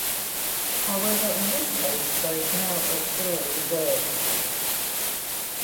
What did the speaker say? However, in this case, there is no auxiliary verb.